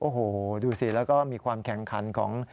โอ้โหดูสิแล้วก็มีความแข่งขันของ